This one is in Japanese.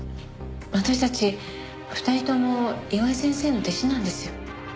私たち２人とも岩井先生の弟子なんですよ。